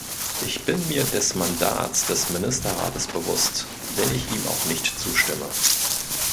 Ich bin mir des Mandats des Ministerrates bewusst, wenn ich ihm auch nicht zustimme.